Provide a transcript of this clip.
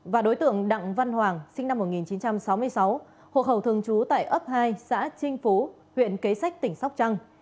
và đối tượng đặng văn hoàng sinh năm một nghìn chín trăm sáu mươi sáu hộ khẩu thường trú tại ấp hai xã trinh phú huyện kế sách tỉnh sóc trăng